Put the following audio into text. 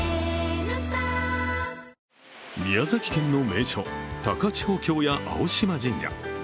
宮崎県の名所、高千穂峡や青島神社。